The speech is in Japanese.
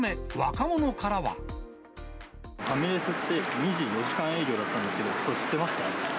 ファミレスって、２４時間営業だったんですけど、知ってました？